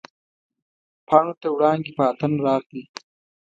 پاڼو ته وړانګې په اتڼ راغلي